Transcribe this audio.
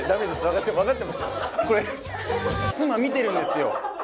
これ妻見てるんですよ。